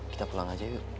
kita pulang aja yuk